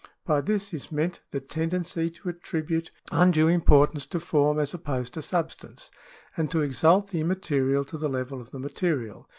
By this is meant the tendency to attribute undue importance to form as opposed to substance, and to exalt the immaterial to the level of the material.